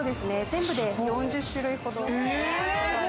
全部で４０種類ほど。